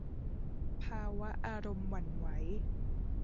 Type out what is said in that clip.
ภาวะอารมณ์หวั่นไหว